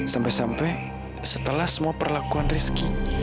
sampai sampai setelah semua perlakuan rizki